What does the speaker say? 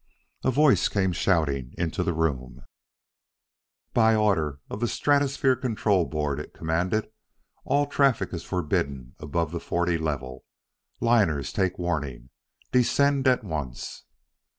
A voice came shouting into the room: "By order of the Stratosphere Control Board," it commanded, "all traffic is forbidden above the forty level. Liners take warning. Descend at once."